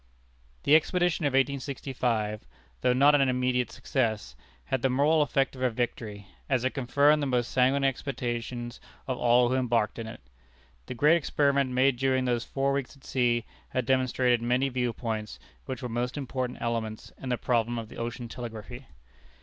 The expedition of 1865, though not an immediate success, had the moral effect of a victory, as it confirmed the most sanguine expectations of all who embarked in it. The great experiment made during those four weeks at sea, had demonstrated many points which were most important elements in the problem of Ocean Telegraphy.